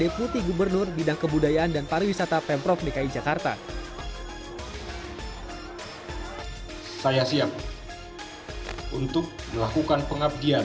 aku di dunia politik dan pemerintahan